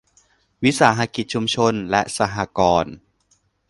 วิสาหกิจชุมชน และสหกรณ์